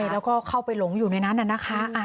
แล้วก็เข้าไปหลงอยู่ในนั้นนะคะ